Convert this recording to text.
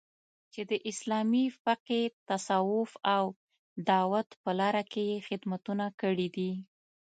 چې د اسلامي فقې، تصوف او دعوت په لاره کې یې خدمتونه کړي دي